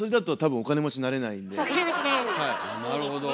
なるほど。